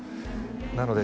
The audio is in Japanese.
なので